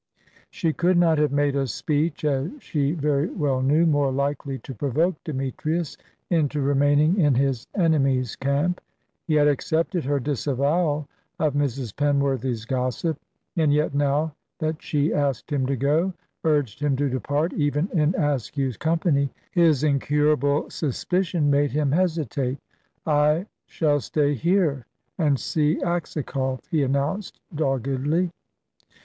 She could not have made a speech, as she very well knew, more likely to provoke Demetrius into remaining in his enemy's camp. He had accepted her disavowal of Mrs. Penworthy's gossip, and yet, now that she asked him to go, urged him to depart, even in Askew's company, his incurable suspicion made him hesitate. "I shall stay here, and see Aksakoff," he announced doggedly.